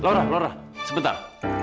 laura laura sebentar